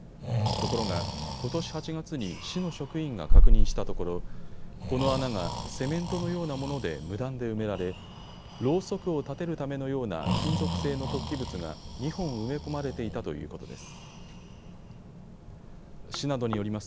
ところが、ことし８月に市の職員が確認したところ、この穴がセメントのようなもので無断で埋められろうそくを立てるためのような金属性の突起物が２本埋め込まれていたということです。